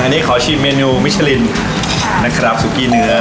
อันนี้ขอชิมเมนูมิชลินนะครับสุกี้เนื้อ